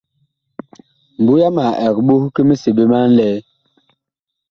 Mbu yama ɛg ɓoh ki miseɓe a nlɛɛ.